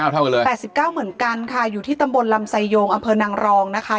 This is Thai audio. เท่ากันเลย๘๙เหมือนกันค่ะอยู่ที่ตำบลลำไซโยงอำเภอนางรองนะคะ